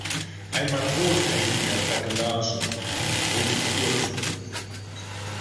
Ein Matrose hängt in der Takelage und droht zu stürzen.